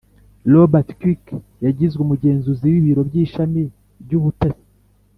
Robert Kirk yagizwe umugenzuzi w ibiro by ishami ry ubutasi